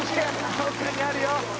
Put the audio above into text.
どこかにあるよ！」